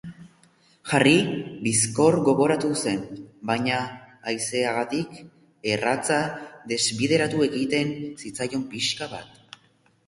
Harry bizkor goratu zen, baina haizeagatik erratza desbideratu egiten zitzaion pixka bat.